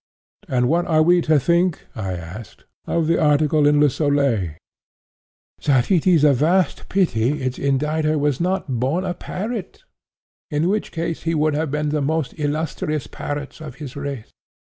"And what are we to think," I asked, "of the article in Le Soleil?" "That it is a vast pity its inditer was not born a parrot—in which case he would have been the most illustrious parrot of his race.